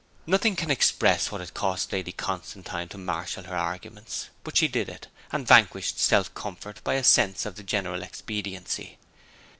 Nothing can express what it cost Lady Constantine to marshal her arguments; but she did it, and vanquished self comfort by a sense of the general expediency.